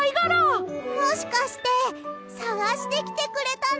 もしかしてさがしてきてくれたの？